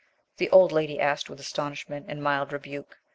the old lady asked with astonishment and mild rebuke.